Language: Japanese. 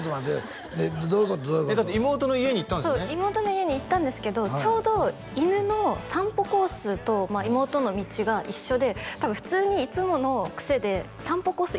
そう妹の家に行ったんですけどちょうど犬の散歩コースと妹の道が一緒で多分普通にいつものクセで散歩コース